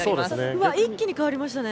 うわっ一気にかわりましたね。